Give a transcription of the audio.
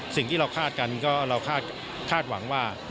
สิ่งที่เราคาดกันก็เราคาดหวังว่า